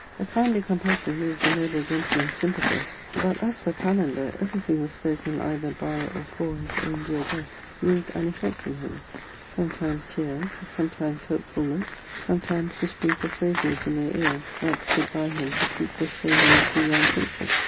A kindly compassion moved the noble gentleman Sympathus, but as for Kalander, everything was spoken either by or for his own dear guests moved an effect in him ; sometimes tears, some times hopeful looks, sometimes whispering persuasions in their ears that stood by him to seek the saving the two young princes.